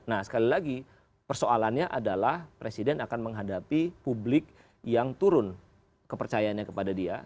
nah sekali lagi persoalannya adalah presiden akan menghadapi publik yang turun kepercayaannya kepada dia